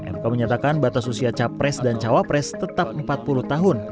mk menyatakan batas usia capres dan cawapres tetap empat puluh tahun